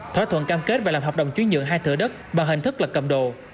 thỏa thuận cam kết và làm hợp đồng chuyến nhượng hai thửa đất bằng hình thức lật cầm đồ